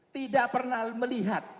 tidak pernah melihat